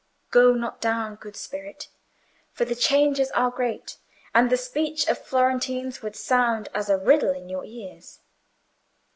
Go not down, good Spirit! for the changes are great and the speech of Florentines would sound as a riddle in your ears.